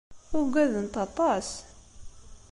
Ugadent aṭas.